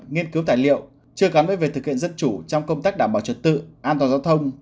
nghiên cứu tài liệu chưa gắn với việc thực hiện dân chủ trong công tác đảm bảo trật tự an toàn giao thông